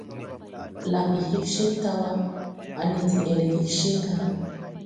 Blagge hig cin taw wa, ane deʼel hig ciŋ ga.